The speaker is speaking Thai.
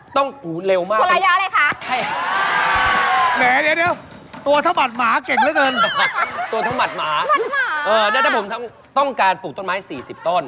ต้องอู้วเร็วมากตัวถ้าหมัดหมาเก่งแล้วกันต้องการปลูกต้นไม้๔๐ต้น